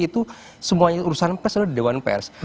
itu semuanya urusan pers adalah dewan pers